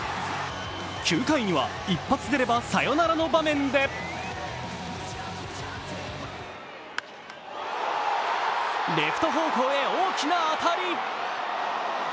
９回には一発出ればサヨナラの場面でレフト方向へ大きな当たり。